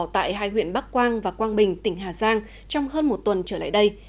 tại hai huyện bắc quang và quang bình tỉnh hà giang trong hơn một tuần trở lại đây